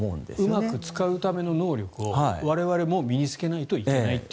うまく使うための能力を我々も身に着けないといけないと。